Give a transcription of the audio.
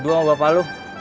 dua sama bapak lu